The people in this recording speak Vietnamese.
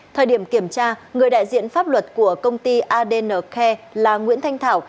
thời điểm kiểm tra người đại diện pháp luật của công ty adn care là nguyễn thanh thảo